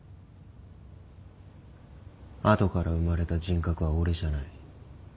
後から生まれた人格は俺じゃない。